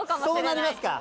そうなりますか。